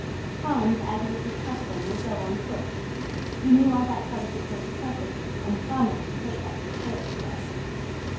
Hams, as was his custom, would go on foot. He knew all that part of the coast perfectly, and promised to take us the shortest way.